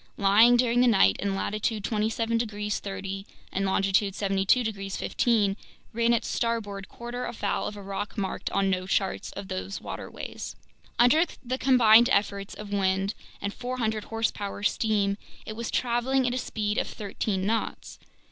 lying during the night in latitude 27 degrees 30' and longitude 72 degrees 15', ran its starboard quarter afoul of a rock marked on no charts of these waterways. Under the combined efforts of wind and 400 horsepower steam, it was traveling at a speed of thirteen knots.